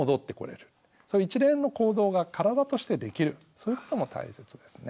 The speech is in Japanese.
そういう一連の行動が体としてできるそういうことも大切ですね。